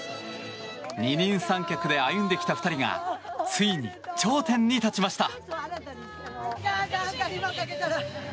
二人三脚で歩んできた２人がついに頂点に立ちました。